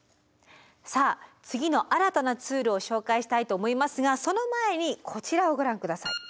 さあ次の新たなツールを紹介したいと思いますがその前にこちらをご覧下さい。